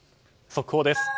速報です。